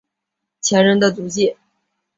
前人的足迹